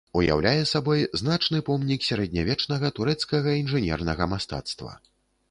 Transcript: Уяўляе сабой значны помнік сярэднявечнага турэцкага інжынернага мастацтва.